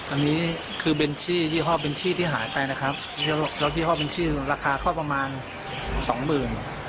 อันนี้คือเบนชยี่ห้อเบนชี่ที่หายไปนะครับแล้วยี่ห้อเป็นชื่อราคาก็ประมาณสองหมื่น